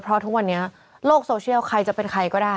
เพราะทุกวันนี้โลกโซเชียลใครจะเป็นใครก็ได้